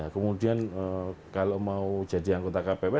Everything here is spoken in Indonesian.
kemudian kalau mau jadi anggota kpw